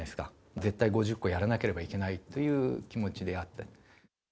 絶対５０個やらなければいけないという気持ちでやって。